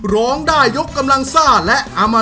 ร้องได้ยกกำลังซ่า